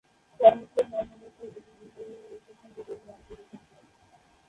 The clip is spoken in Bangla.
পর্বতটির নাম মূলত এটির প্রথম বিজয়ীর নাম থেকে এসেছে।